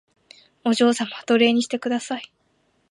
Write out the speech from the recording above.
お嬢様奴隷にしてください